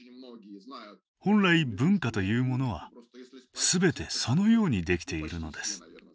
本来文化というものはすべてそのようにできているのです。